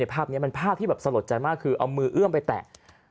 ภาพนี้เป็นภาพที่แบบสลดใจมากคือเอามือเอื้อมไปแตะ